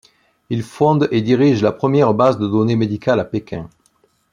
Il fonde et dirige la première base de données médicales à Pékin.